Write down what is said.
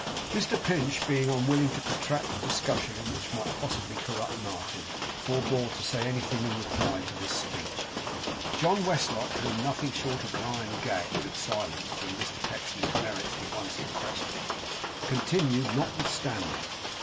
Mr Pinch, being unwilling to protract a discussion which might possibly corrupt Martin, forbore to say anything in reply to this speech; but John Westlock, whom nothing short of an iron gag would have silenced when Mr Pecksniff's merits were once in question, continued notwithstanding.